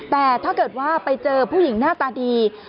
แต่ถ้าเกิดว่าไปเจอผู้หญิงหน้าตาดี